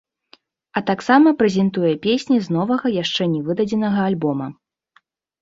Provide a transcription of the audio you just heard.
А таксама прэзентуе песні з новага, яшчэ нявыдадзенага альбома.